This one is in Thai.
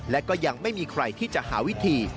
และก็ยังไม่มีใครที่จะหาวิธี